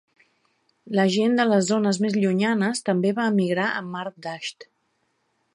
La gent de les zones més llunyanes també va emigrar a Marvdasht.